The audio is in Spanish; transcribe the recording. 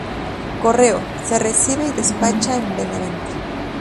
Correo: se recibe y despacha en Benavente.